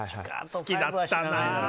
好きだったな。